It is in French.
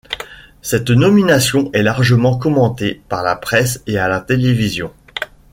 Cette nomination est largement commentée par la presse et à la télévision.